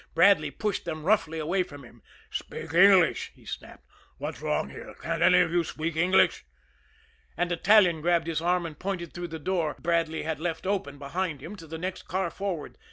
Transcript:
Bradley pushed them roughly away from him. "Speak English!" he snapped. "What's wrong here? Can't any of you speak English?" An Italian grabbed his arm and pointed through the door Bradley had left open behind him to the next car forward.